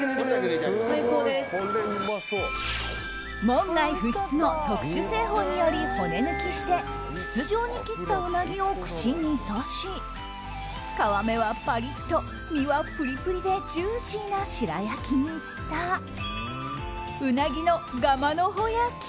門外不出の特殊製法により骨抜きして筒状に切ったうなぎを串に刺し皮目はパリッと、身はプリプリでジューシーな白焼きにした鰻の蒲の穂焼き。